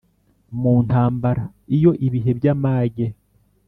Mu ntambara, iyo ibihe by’amage